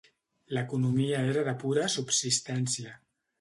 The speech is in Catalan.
L'economia era de pura subsistència.